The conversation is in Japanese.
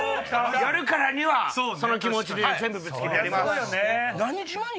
やるからにはその気持ちで全部ぶつけてやります！